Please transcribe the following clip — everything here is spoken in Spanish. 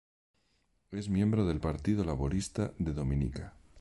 Es miembro del Partido Laborista de Dominica.